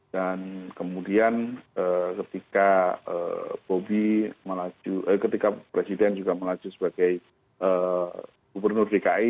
dan kemudian ketika presiden juga melaju sebagai gubernur dki